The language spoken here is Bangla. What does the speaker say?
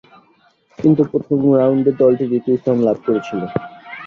কিন্তু প্রথম রাউন্ডে দলটি তৃতীয় স্থান লাভ করেছিল।